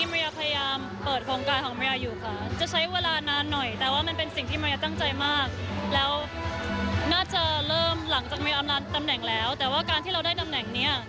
เราจะเริ่มหลังจากอำลาตำแหน่งแล้วแต่ว่าการที่เราได้อำลาตำแหน่งนี้